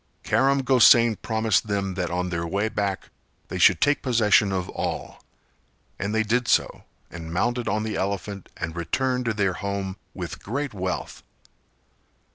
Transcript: Karam Gosain promised them that on their way back they should take possession of all; and they did so and mounted on the elephant and returned to their home with great wealth.